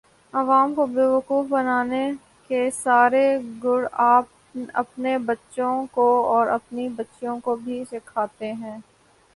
عوام کو بیوقوف بنانے کے سارے گُر اپنے بچوں کو اور اپنی بچیوں کو بھی سیکھاتے ہیں